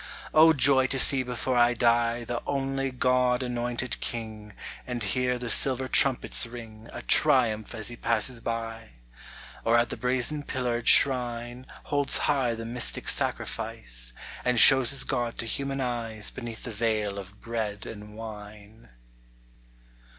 O joy to see before I die The only God anointed King, And hear the silver trumpets ring A triumph as he passes by ! Or at the brazen pillared shrine Holds high the mystic sacrifice, And shows his God to human eyes Beneath the veil of bread and wine.